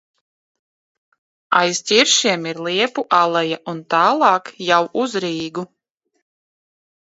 Aiz ķiršiem ir liepu aleja un tālāk jau uz Rīgu.